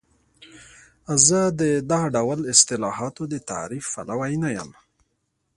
زه د دا ډول اصطلاحاتو د تعریف پلوی نه یم.